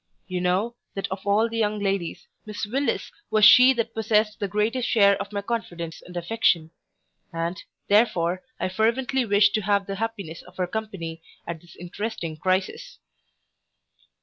You know, that of all the young ladies, Miss Willis was she that possessed the greatest share of my confidence and affection; and, therefore, I fervently wish to have the happiness of her company at this interesting crisis.